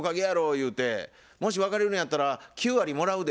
言うて「もし別れるんやったら９割もらうで」